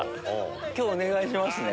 今日お願いしますね。